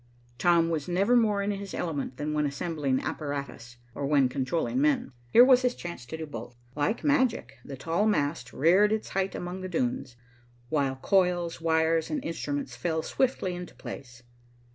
Tom was never more in his element than when assembling apparatus, or when controlling men. Here was his chance to do both. Like magic, the tall mast reared its height among the dunes, while coils, wires, and instruments fell swiftly into place.